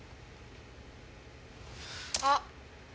あっ！